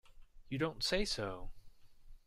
You don't say so!